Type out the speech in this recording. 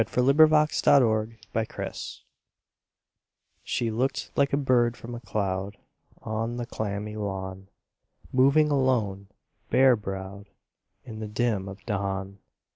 AT THE WORD ŌĆ£FAREWELLŌĆØ SHE looked like a bird from a cloud On the clammy lawn, Moving alone, bare browed In the dim of dawn.